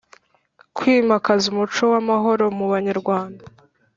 Kwimakaza umuco w amahoro mu banyarwanda